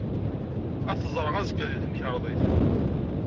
Ad t-ẓreɣ azekka deg temkarḍit.